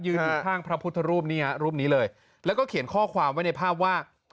อยู่ข้างพระพุทธรูปนี่ฮะรูปนี้เลยแล้วก็เขียนข้อความไว้ในภาพว่า